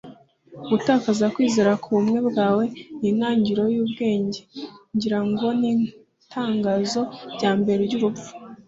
gutakaza kwizera kubumwe bwawe nintangiriro yubwenge, ngira ngo; n'itangazo rya mbere ry'urupfu